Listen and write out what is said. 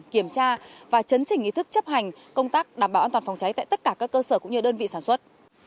kiểm tra và chấn chỉnh ý thức chấp hành công tác đảm bảo an toàn phòng cháy tại tất cả các cơ sở cũng như đơn vị sản xuất